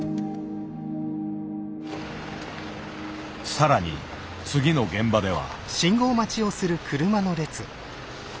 さらに次の現場では。